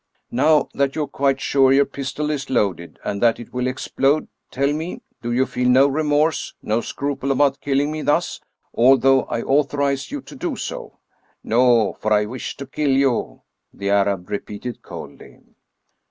" Now that you are quite sure your pistol is loaded, and that it will explode, tell me, do you feel no remorse, no scruple about killing me thus, although I authorize you to do so?" " No, for I wish to kill you," the Arab repeated coldly.